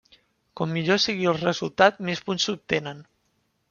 Com millor sigui el resultat més punts s'obtenen.